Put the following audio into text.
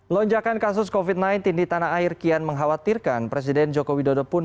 lonjakan kasus covid sembilan belas di tanah air kian mengkhawatirkan presiden joko widodo pun